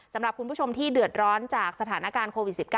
สำหรับคุณผู้ชมที่เดือดร้อนจากสถานการณ์โควิด๑๙